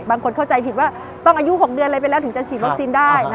เข้าใจผิดว่าต้องอายุ๖เดือนอะไรไปแล้วถึงจะฉีดวัคซีนได้